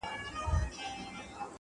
تر يو خروار زرو، يوه ذره عقل ښه دئ.